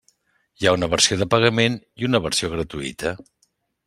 Hi ha una versió de pagament i una versió gratuïta.